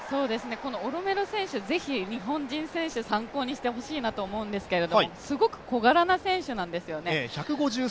オロメロ選手是非日本選手が参考にしてほしいと思うんですけどすごく小柄な選手なんですよね